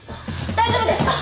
大丈夫ですか？